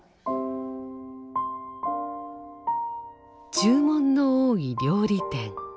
「注文の多い料理店」。